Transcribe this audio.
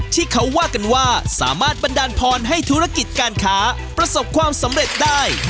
ที่เขาว่ากันว่าสามารถบันดาลพรให้ธุรกิจการค้าประสบความสำเร็จได้